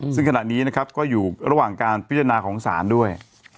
ซึ่งขณะนี้นะครับก็อยู่ระหว่างการพิจารณาของศาลด้วย